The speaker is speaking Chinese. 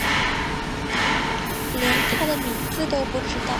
连他的名字都不知道